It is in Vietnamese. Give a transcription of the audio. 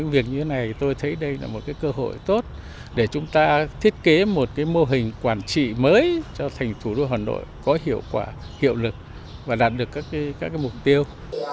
và thiết kế một mô hình quản trị mới cho thành phố hà nội có hiệu quả hiệu lực và đạt được các mục tiêu